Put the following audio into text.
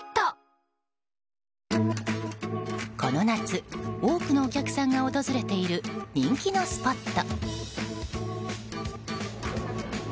この夏、多くのお客さんが訪れている人気のスポット。